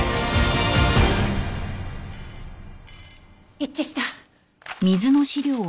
一致した！